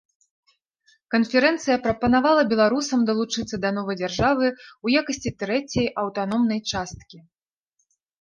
Канферэнцыя прапанавала беларусам далучыцца да новай дзяржавы ў якасці трэцяй аўтаномнай часткі.